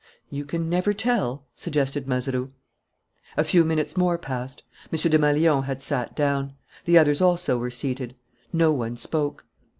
"You can never tell," suggested Mazeroux. A few minutes more passed. M. Desmalions had sat down. The others also were seated. No one spoke.